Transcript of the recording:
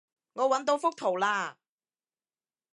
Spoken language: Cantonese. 我搵到幅圖喇